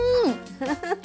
フフフッ。